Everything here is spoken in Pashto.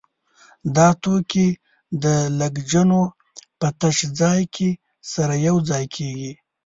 دا توکي د لګنچو په تش ځای کې سره یو ځای کېږي.